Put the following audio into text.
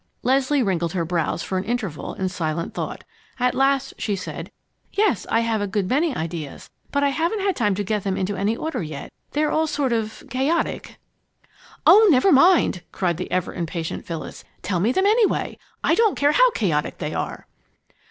Leslie wrinkled her brows for an interval in silent thought. At last she said, "Yes, I have a good many ideas, but I haven't had time to get them into any order yet. They're all sort of chaotic!" "Oh, never mind!" cried the ever impatient Phyllis. "Tell me them, anyway. I don't care how chaotic they are!"